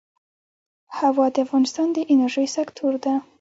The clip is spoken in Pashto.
هوا د افغانستان د انرژۍ سکتور برخه ده.